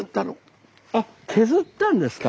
あっ削ったんですか。